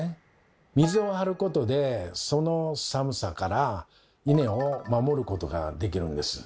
水を張ることでその寒さからイネを守ることができるんです。